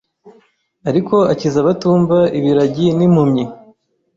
Ariko akiza abatumva ibiragi nimpumyi